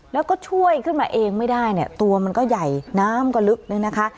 แล้วก็ช่วยขึ้นมาเองไม่ได้เนี่ยตัวมันก็ใหญ่น้ำก็ลึกเนี่ยนะคะ